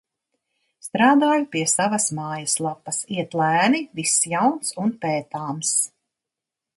Strādāju pie savas mājaslapas, iet lēni, viss jauns un pētāms.